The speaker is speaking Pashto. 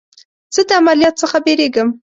زه د عملیات څخه بیریږم.